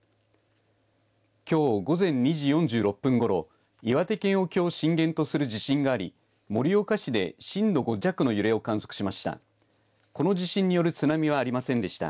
きょう午前２時４６分ごろ岩手県沖を震源とする地震があり盛岡市で震度５弱の揺れを観測しました。